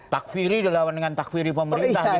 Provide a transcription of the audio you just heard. takfiri dilawan dengan takfiri pemerintah